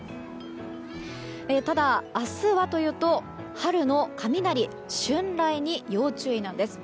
ただ、明日はというと春の雷春雷に要注意なんです。